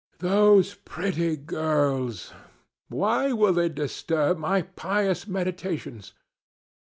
Those pretty girls! Why will they disturb my pious meditations?